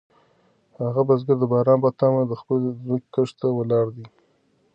هغه بزګر د باران په تمه د خپلې ځمکې کښت ته ولاړ دی.